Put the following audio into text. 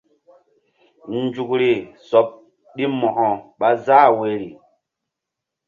Nzukri sɔɓ ɗi Mo̧ko ɓa záh woyri.